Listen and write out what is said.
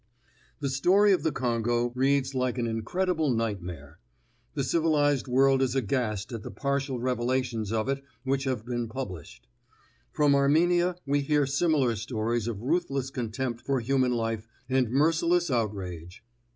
The story of the Congo reads like an incredible nightmare; the civilized world is aghast at the partial revelations of it which have been published. From Armenia we hear similar stories of ruthless contempt for human life and merciless outrage.